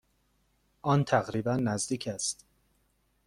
آن تقریبا نزدیک است.